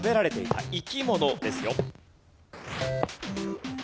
うん生き物ですよ。